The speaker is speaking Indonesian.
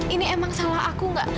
ini emang salah aku nggak